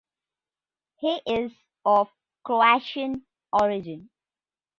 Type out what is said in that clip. He is of Croatian origin.